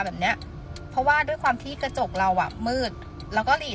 แบบเนี้ยเพราะว่าด้วยความที่กระจกเราอ่ะมืดเราก็หลีก